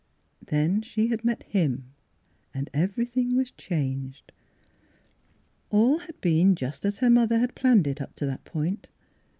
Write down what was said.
Then she had met him, and everything was changed. All had been just as her mother had planned it up to that point.